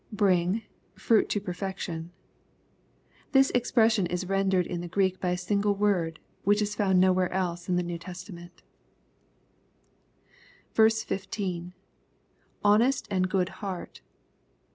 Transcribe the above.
[Bring..fruit to perfection.] This expression is rendered in the Greek by a single word, which is found nowhere else in the New Testament 15. — [Honest and good heart.